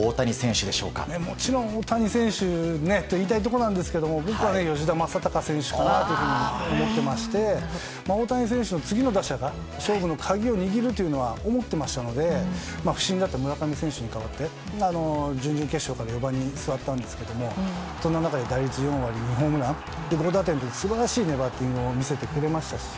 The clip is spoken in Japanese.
もちろん大谷選手と言いたいところですが僕は吉田正尚選手かなと思っていまして大谷選手の次の打者が勝負の鍵を握るとは思ってましたので、不振だった村上選手に代わって準々決勝から４番に座ったんですが打率４割に２ホームランと素晴らしいバッティングを見せてくれましたし。